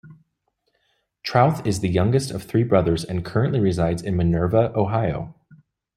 Trauth is the youngest of three brothers and currently resides in Minerva, Ohio.